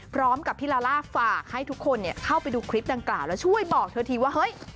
พร้อมกับพี่ลาล่าฝากให้ทุกคนเข้าไปดูคลิปดังกล่าวแล้วช่วยบอกเธอทีว่าเฮ้ย